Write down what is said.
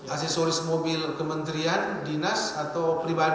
asesoris mobil kementerian dinas atau